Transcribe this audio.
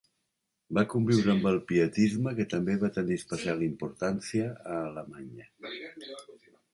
Va conviure amb el pietisme, que també va tenir especial importància a Alemanya.